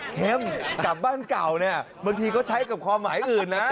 กลับบ้านเก่าเนี่ยบางทีเขาใช้กับความหมายอื่นนะ